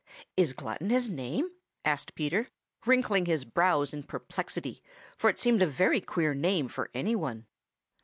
"Is Glutton his name?" asked Peter, wrinkling his brows in perplexity, for it seemed a very queer name for any one.